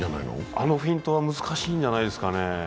あのフェイントは難しいんじゃないですかね。